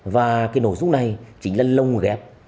và cái nội dung này chính là lông ghép